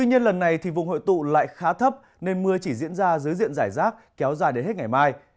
hôm nay vùng hội tụ lại khá thấp nên mưa chỉ diễn ra dưới diện rải rác kéo dài đến hết ngày mai